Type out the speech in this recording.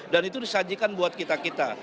dan itu disajikan buat kita kita